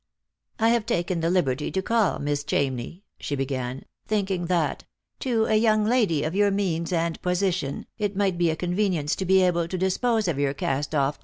" I have taken the liberty to call, Miss Ohamney," she began, " thinking that, to a young lady of your means and position, it might be a convenience to be able to dispose of your cast off 208 j^ost Jor LiOve.